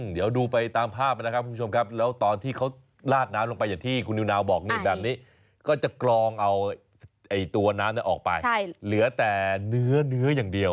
เดี๋ยวดูไปตามภาพนะครับคุณผู้ชมครับแล้วตอนที่เขาลาดน้ำลงไปอย่างที่คุณนิวนาวบอกนี่แบบนี้ก็จะกลองเอาตัวน้ำออกไปเหลือแต่เนื้ออย่างเดียว